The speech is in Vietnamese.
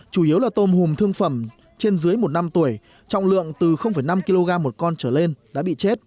chủ yếu là tôm hùm thương phẩm trên dưới một năm tuổi trọng lượng từ năm kg một con trở lên đã bị chết